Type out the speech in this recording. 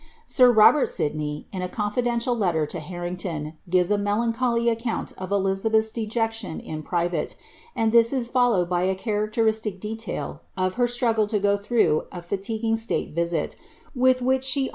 Sir Robert Sidnev. in a confidential letter to Harrington, gives a melancholy account of EIib beili's dejection in private, and this is followed by a charecleristic deiail of her struggle to go through a fatiguing stale visit, with which ehe lirch's Memoirfl of Eli!